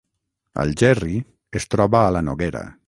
Algerri es troba a la Noguera